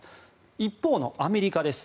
一方のアメリカです。